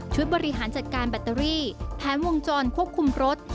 บริหารจัดการแบตเตอรี่แถมวงจรควบคุมรถ